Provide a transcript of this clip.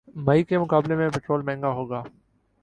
مئی کے مقابلے میں پٹرول مہنگا ہوگیا